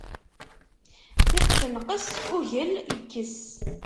Tiṭ tenqes, ugel ikkes.